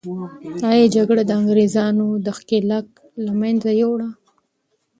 آیا جګړه د انګریزانو دښکیلاک له منځه یوړه؟